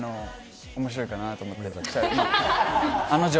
面白いかなと思って。